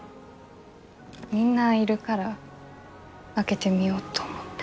みんないるから開けてみようと思って。